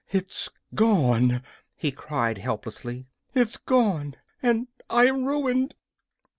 "It's gone," he cried, helplessly. "It's gone, and I am ruined!"